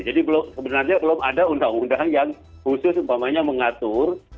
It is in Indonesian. jadi sebenarnya belum ada undang undang yang khusus mengatur